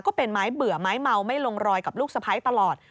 ก็เป็นไม้เบื่อไม้เมาไม่ลงรอยกับลูกสะพ้ายตลอด